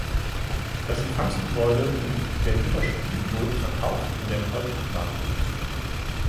Das Empfangsgebäude und der Güterschuppen wurden verkauft und werden heute privat genutzt.